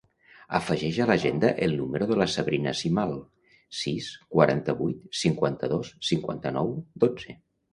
Afegeix a l'agenda el número de la Sabrina Simal: sis, quaranta-vuit, cinquanta-dos, cinquanta-nou, dotze.